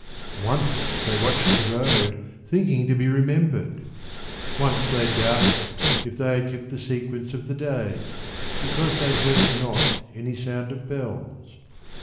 Once they watched the road, Thinking to be remembered. Once they doubted If they had kept the sequence of the days, Because they heard not any sound of bells.